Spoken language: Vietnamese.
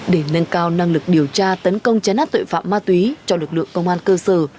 để nâng cao năng lực điều tra tấn công chán át tội phạm ma tuy cho lực lượng công an cơ sở